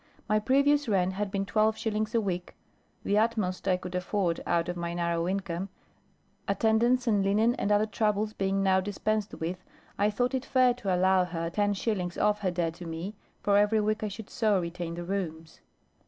My previous rent had been twelve shillings a week, the utmost I could afford out of my narrow income; attendance, and linen, and other troubles being now dispensed with, I thought it fair to allow her ten shillings off her debt to me, for every week I should so retain the rooms.